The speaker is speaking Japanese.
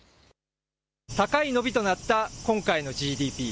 高い伸びとなった今回のＧＤＰ。